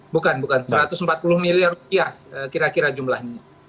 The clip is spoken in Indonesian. bukan bukan satu ratus empat puluh miliar rupiah kira kira jumlahnya